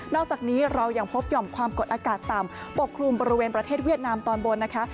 อกจากนี้เรายังพบหย่อมความกดอากาศต่ำปกคลุมบริเวณประเทศเวียดนามตอนบนนะคะ